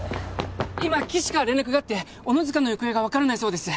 今岸から連絡があって小野塚の行方が分からないそうです